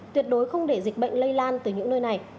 tuyệt đối không để dịch bệnh lây lan từ những nơi này